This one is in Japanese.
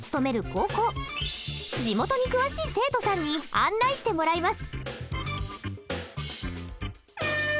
地元に詳しい生徒さんに案内してもらいます。